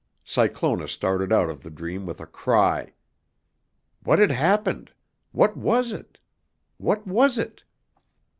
Cyclona started out of the dream with a cry. What had happened? What was it? What was it?